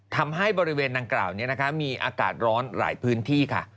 ทำให้บริเวณดังกล่าวนี้นะคะมีอากาศร้อนหลายพื้นที่ค่ะ